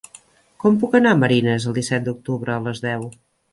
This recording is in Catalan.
Com puc anar a Marines el disset d'octubre a les deu?